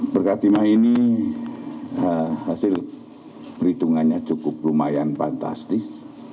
berkat timah ini hasil perhitungannya cukup lumayan fantastis